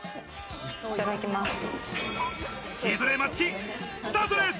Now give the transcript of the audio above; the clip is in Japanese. いただきます。